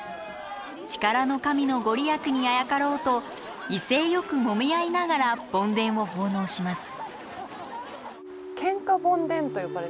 力の神の御利益にあやかろうと威勢よくもみ合いながら梵天を奉納します。